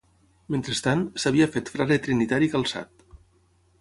Mentrestant, s'havia fet frare trinitari calçat.